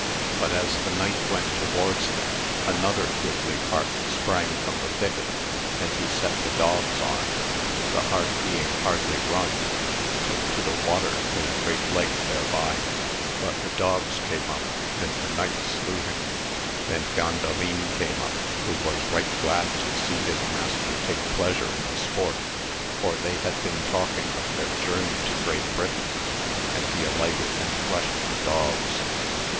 But as the knight went towards them another goodly hart sprang from the thicket, and he set the dogs on, the hart being hardly run took to the water in a great lake thereby, but the dogs came up, and the knight slew him; then Grandalin came up, who was right glad to see his master take pleasure in the sport, for they had been talking of their journey to Great Britain, and he alighted and fleshed the dogs.